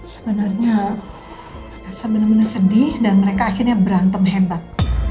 sebenarnya elsa bener bener sedih dan mereka akhirnya berantem hebat